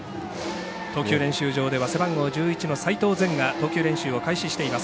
投球練習場では背番号１１番の齋藤禅が投球練習を開始しています。